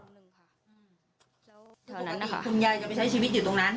ปกติคุณยายจะไปใช้ชีวิตอยู่ตรงนั้น